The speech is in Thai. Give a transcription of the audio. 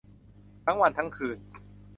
ทั้งวันทั้งคืน